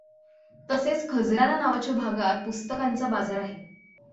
तसेच खजराना नावाच्या भागात पुस्तकांचा बाजार आहे.